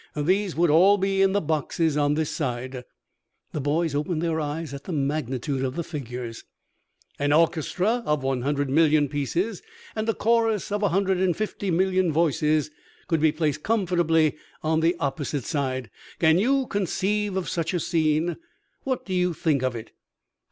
These would all be in the boxes on this side." The boys opened their eyes at the magnitude of the figures. "An orchestra of one hundred million pieces and a chorus of a hundred and fifty million voices could be placed comfortably on the opposite side. Can you conceive of such a scene? What do you think of it?"